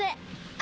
あ！